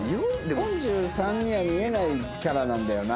４３には見えないキャラなんだよな。